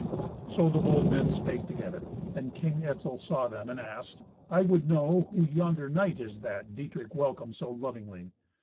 So the bold men spake together, and King Etzel saw them, and asked, "I would know who yonder knight is that Dietrich welcometh so lovingly.